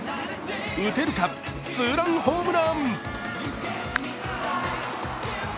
打てるか、ツーランホームラン。